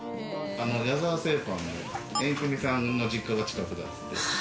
やざわ製パン、エンクミさんの実家が近くだって。